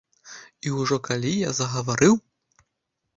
І ўжо калі я загаварыў.